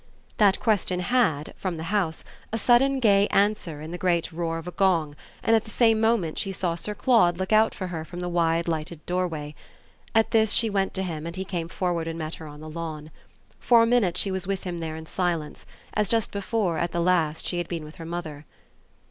That question had, from the house, a sudden gay answer in the great roar of a gong, and at the same moment she saw Sir Claude look out for her from the wide lighted doorway. At this she went to him and he came forward and met her on the lawn. For a minute she was with him there in silence as, just before, at the last, she had been with her mother.